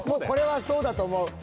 これはそうだと思う。